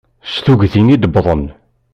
S tuggdi id-wwḍen.